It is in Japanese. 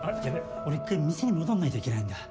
俺一回店に戻んないといけないんだ。